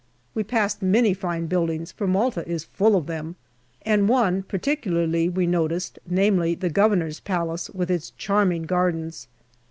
We passed many fine buildings, for Malta is full of them, and one particularly we noticed, namely the Governor's Palace, with its charming gardens.